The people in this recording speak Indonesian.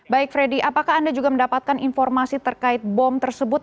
baik freddy apakah anda juga mendapatkan informasi terkait bom tersebut